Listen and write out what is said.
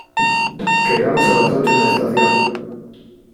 Quedamos a las ocho en la estación.